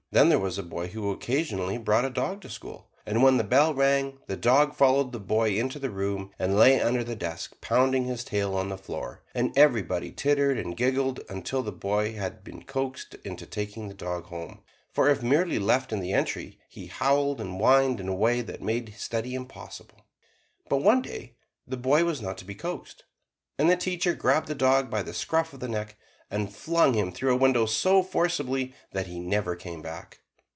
Then there was a boy who occasionally brought a dog to school; and when the bell rang, the dog followed the boy into the room and lay under the desk pounding his tail on the floor; and everybody tittered and giggled until the boy had been coaxed into taking the dog home, for if merely left in the entry he howled and whined in a way that made study impossible. But one day the boy was not to be coaxed, and the teacher grabbed the dog by the scruff of the neck, and flung him through a window so forcibly that he never came back.